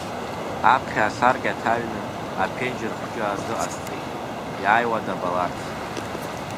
Аԥхьа асаркьа ҭаҩны, аԥенџьыр хәҷы азыҟасҵеит, иааиуа дабаларц.